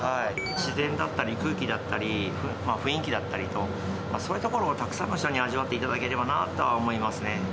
自然だったり、空気だったり、雰囲気だったりと、そういうところをたくさんの人に味わっていただければなとは思い